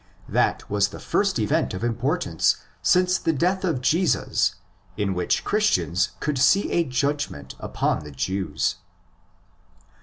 That was the first event of importance since the death of Jesus in which Christians could see a judgment upon the Jews.